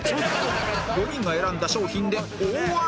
５人が選んだ商品で大荒れ！